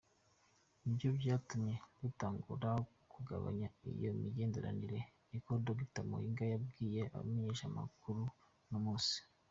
Nivyo vyatumye dutangura kugabanya iyo migenderanire," niko Dr Mahiga yabwiye abamenyeshamakuru uno munsi.